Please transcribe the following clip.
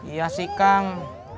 iya sih kang